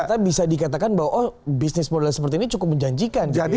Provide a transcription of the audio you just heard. ternyata bisa dikatakan bahwa bisnis modal seperti ini cukup menjanjikan